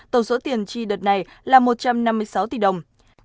tổng số tiền chi đợt này là một trăm năm mươi sáu tỷ đồng